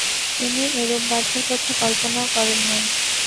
তিনি এরূপ বাধার কথা কল্পনাও করেন নাই।